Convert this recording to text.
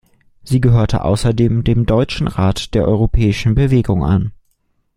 Sie gehörte außerdem dem Deutschen Rat der Europäischen Bewegung an.